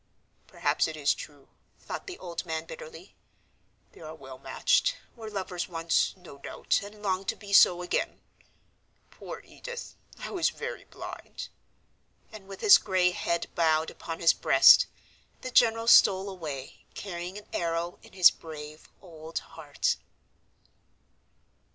Perhaps it is true, thought the old man bitterly. They are well matched, were lovers once, no doubt, and long to be so again. Poor Edith, I was very blind. And with his gray head bowed upon his breast the general stole away, carrying an arrow in his brave old heart.